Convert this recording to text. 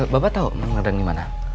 bapak tau mang dadang dimana